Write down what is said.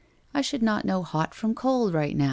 I should not know hot from cold now. ...